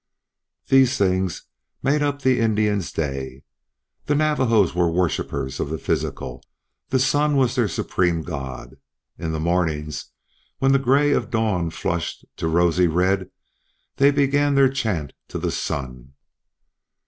These things made up the Indians' day. The Navajos were worshippers of the physical; the sun was their supreme god. In the mornings when the gray of dawn flushed to rosy red they began their chant to the sun.